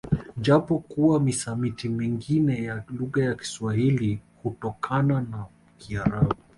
Japo kuwa misamiti mingine ya lugha ya kiswahili hutokana na kiarabu